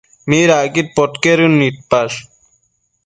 ¿Midacquid podquedën nidpash?